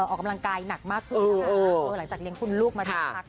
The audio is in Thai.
ออกกำลังกายหนักมากขึ้นหลังจากเลี้ยงคุณลูกมาสักพัก